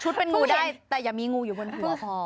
เป็นงูได้แต่อย่ามีงูอยู่บนหัวพอ